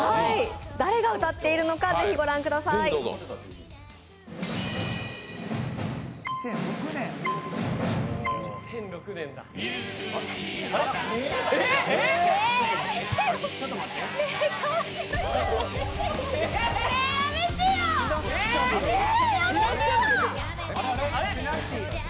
誰が歌っているのかぜひご覧ください。